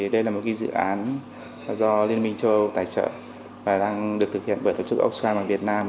đây là một dự án do liên minh châu âu tài trợ và đang được thực hiện bởi tổ chức oxfam việt nam